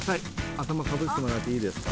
頭かぶってもらっていいですか？